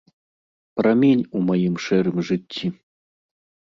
Прамень у маім шэрым жыцці.